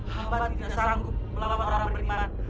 hamba tidak sanggup melawan orang beriman